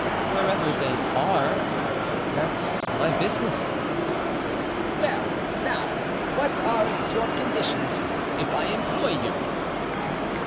"Wherever they are, that's my business." "Well, now, what are your conditions, if I employ you?"